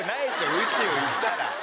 宇宙行ったら。